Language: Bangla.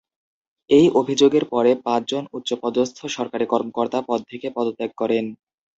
এই অভিযোগের পরে পাঁচ জন উচ্চপদস্থ সরকারী কর্মকর্তা পদ থেকে পদত্যাগ করেন।